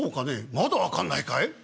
「まだ分かんないかい？